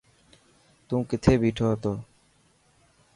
تون ڪٿي بيٺو هتو.